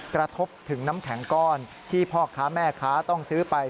กระทบถึงน้ำแข็งก้อนที่พ่อค้าแม่ค้าต้องซื้อไป